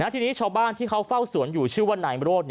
ทีนี้ชาวบ้านที่เขาเฝ้าสวนอยู่ชื่อว่านายโรธ